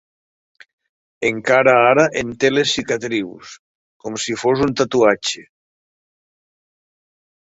Encara ara en té les cicatrius, com si fos un tatuatge.